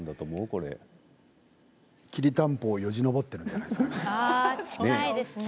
きりたんぽをよじ登っているんじゃないですかね。